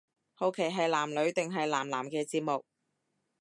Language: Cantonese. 好奇係男女定係男男嘅節目